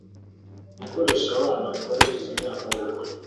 gukoresha abana bataruzuza imyaka y’ubukure